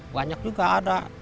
banyak juga ada